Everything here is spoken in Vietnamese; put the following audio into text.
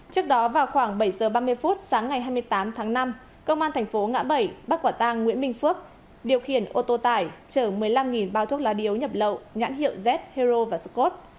trước đó vào khoảng bảy h ba mươi sáng ngày hai mươi tám tháng năm công an tp ngã bảy bắt quả tang nguyễn minh phước điều khiển ô tô tải trở một mươi năm bao thuốc lá điếu nhập lậu nhãn hiệu z hero và scott